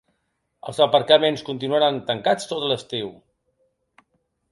Els aparcaments continuaran tancats tot l’estiu.